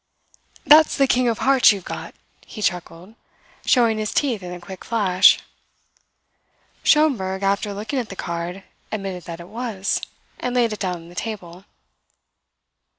"That's the king of hearts you've got," he chuckled, showing his teeth in a quick flash. Schomberg, after looking at the card, admitted that it was, and laid it down on the table.